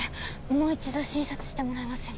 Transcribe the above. もう一度診察してもらえませんか？